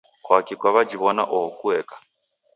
Kwaki kwaw'ajiw'ona oho kueka?